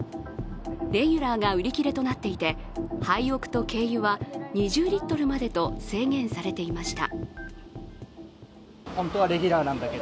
レギュラーが売り切れとなっていてハイオクと軽油は２０リットルまでと制限されていました。